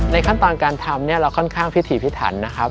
ในขั้นตอนการทำเราก็ค่อนข้างพิถีพิถันนะครับ